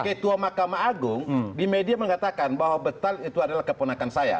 ketua mahkamah agung di media mengatakan bahwa betal itu adalah keponakan saya